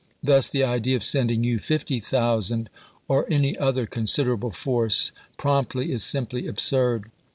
Thus the idea of sending you 50,000, or any other considerable force, promptly is simply ab surd.